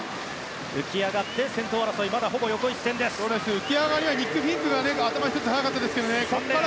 浮き上がりはニック・フィンクが頭１つ早かったです。